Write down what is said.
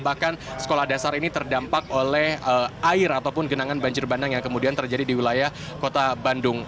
bahkan sekolah dasar ini terdampak oleh air ataupun genangan banjir bandang yang kemudian terjadi di wilayah kota bandung